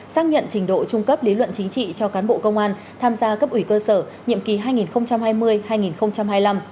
xác nhận trình độ trung cấp lý luận chính trị cho cán bộ công an tham gia cấp ủy cơ sở nhiệm kỳ hai nghìn hai mươi hai nghìn hai mươi năm